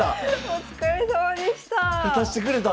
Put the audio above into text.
お疲れさまでした。